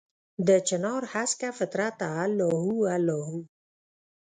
دچنارهسکه فطرته الله هو، الله هو